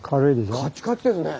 カチカチですね。